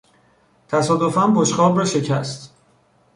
تصادفا بشقاب را شکست.